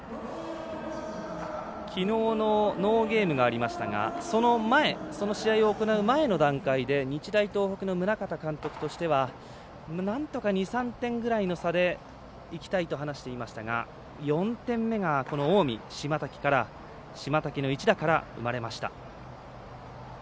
きのうのノーゲームがありましたがその前その試合を行う前の段階で日大東北の宗像監督としてはなんとか２３点ぐらいの差でいきたいと話していましたが４点目がこの近江島瀧の一打から生まれました。